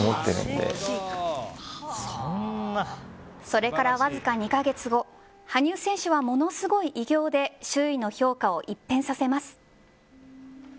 それから、わずか２か月後羽生選手は、ものすごい偉業で周囲の評価を一変させます。